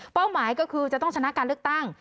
หมายก็คือจะต้องชนะการเลือกตั้ง